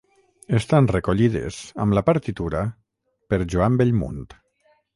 Estan recollides, amb la partitura, per Joan Bellmunt.